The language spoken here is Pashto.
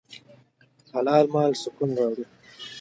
حلال مال سکون راوړي.